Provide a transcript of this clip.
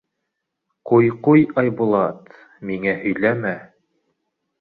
— Ҡуй, ҡуй, Айбулат, миңә һөйләмә.